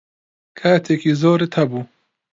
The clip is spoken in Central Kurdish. کاتێکی زۆرت هەبوو.